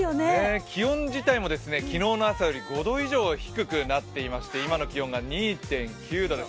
気温自体も昨日の朝よりも５度以上低くなっていまして今の気温が２．９度です。